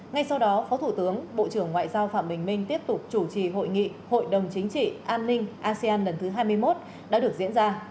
ngay sau đó phó thủ tướng bộ trưởng ngoại giao phạm bình minh tiếp tục chủ trì hội nghị hội đồng chính trị an ninh asean lần thứ hai mươi một đã được diễn ra